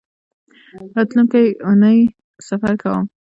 راتلونکۍ اونۍ سفر کوم